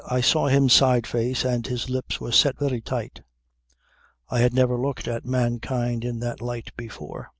I saw him sideface and his lips were set very tight. I had never looked at mankind in that light before.